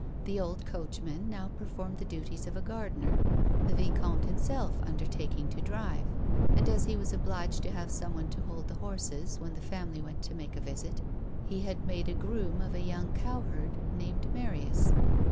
The old coachman now performed the duties of a gardener, the vicomte himself undertaking to drive, and as he was obliged to have someone to hold the horses when the family went to make a visit, he had made a groom of a young cowherd named Marina.